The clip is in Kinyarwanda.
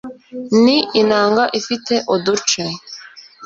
ni inanga ifite uduce